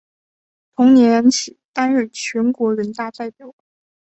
同年起担任全国人大代表。